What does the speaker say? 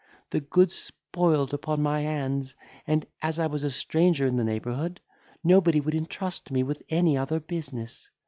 The goods spoiled upon my hands, and, as I was a stranger in the neighbourhood, nobody would intrust me with any other business.